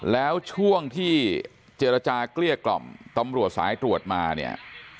แล้วช่วงที่เจรจาเกลี้ยกล่อมตำรวจสายตรวจมาเนี่ย